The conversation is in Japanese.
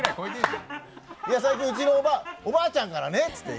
最近、うちのおばあちゃんからねって。